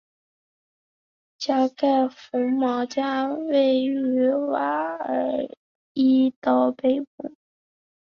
加盖福毛加位于萨瓦伊岛北部。